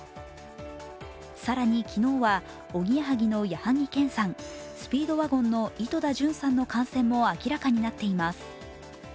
更に昨日は、おぎやはぎの矢作兼さんスピードワゴンの井戸田潤さんの感染も明らかになっています。